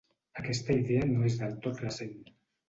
Aquesta idea no és del tot recent.